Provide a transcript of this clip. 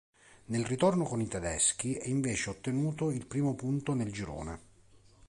Nel ritorno con i tedeschi, è invece ottenuto il primo punto nel girone.